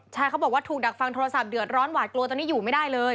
ใช่เขาบอกว่าถูกดักฟังโทรศัพท์เดือดร้อนหวาดกลัวตอนนี้อยู่ไม่ได้เลย